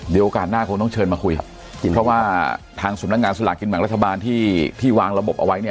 เดี๋ยวโอกาสหน้าคงต้องเชิญมาคุยครับเพราะว่าทางสำนักงานสลากกินแบ่งรัฐบาลที่วางระบบเอาไว้เนี่ย